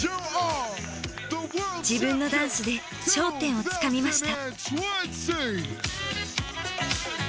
自分のダンスで頂点をつかみました。